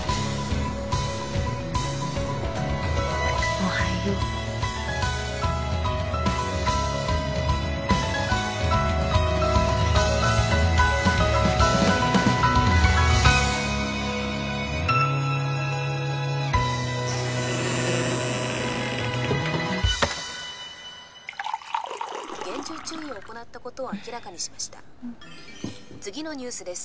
おはよう厳重注意を行ったことを明らかにしました次のニュースです